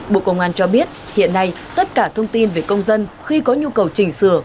bộ công an cho biết hiện nay tất cả thông tin về công dân khi có nhu cầu chỉnh sửa